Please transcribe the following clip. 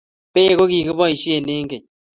beek ko ki kiboisie eng keny